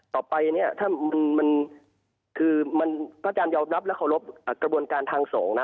ต่อไปเนี่ยถ้าจำยอดรับและขอรบกระบวนการทางสงฆ์นะ